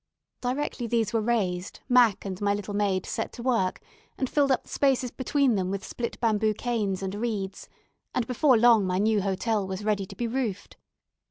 Directly these were raised, Mac and my little maid set to work and filled up the spaces between them with split bamboo canes and reeds, and before long my new hotel was ready to be roofed.